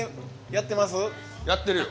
やってるよ。